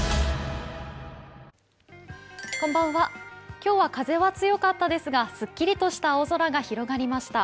今日は風は強かったですが、すっきりとした青空が広がりのました。